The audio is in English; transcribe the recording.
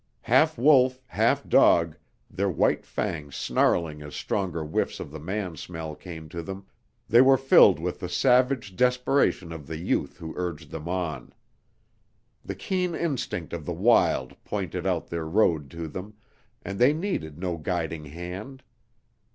Half wolf, half dog, their white fangs snarling as stronger whiffs of the man smell came to them, they were filled with the savage desperation of the youth who urged them on. The keen instinct of the wild pointed out their road to them, and they needed no guiding hand.